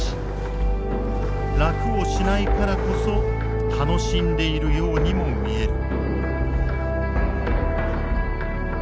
楽をしないからこそ楽しんでいるようにも見える。